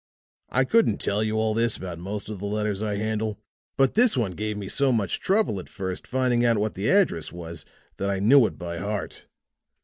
I couldn't tell you all this about most of the letters I handle, but this one gave me so much trouble at first finding out what the address was that I knew it by heart.